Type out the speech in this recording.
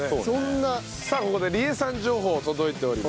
さあここで理絵さん情報届いております。